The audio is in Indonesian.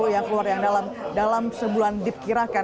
yang keluar yang dalam sebulan diperkirakan